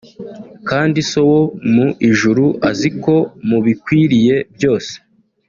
kandi So wo mu ijuru azi ko mubikwiriye byose